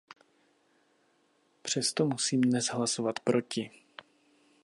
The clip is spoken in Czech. Přesto musím dnes hlasovat proti.